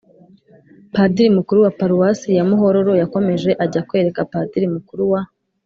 padiri mukuru wa paruwasi ya muhororo yakomeje ajya kwereka padiri mukuru wa